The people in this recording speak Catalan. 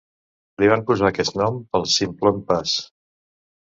Li van posar aquest nom pel Simplon Pass.